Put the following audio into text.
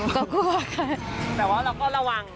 แต่ว่าเราก็ระวัง